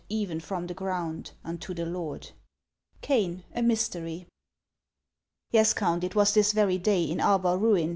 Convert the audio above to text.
Even from the ground, unto the Lord ! Caiii : A Mystery. " "\/'ES, Count; it was this very day, in Arbar ruin.